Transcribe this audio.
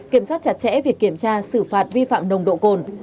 kiểm soát chặt chẽ việc kiểm tra xử phạt vi phạm nồng độ cồn